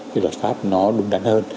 cái luật pháp nó đúng đắn hơn